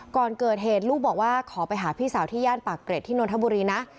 ก่อนเกิดเหตุลูกบอกว่าขอไปหาพี่สาวที่ย่านปากเกร็ดที่นนทบุรีนะ